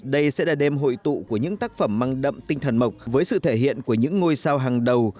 đây sẽ là đêm hội tụ của những tác phẩm mang đậm tinh thần mộc với sự thể hiện của những ngôi sao hàng đầu